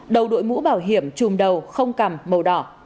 người mũ bảo hiểm chùm đầu không cầm màu đỏ